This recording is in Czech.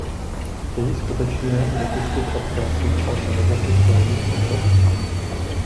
Chtějí skutečně vypustit odkaz na Organizaci Spojených národů?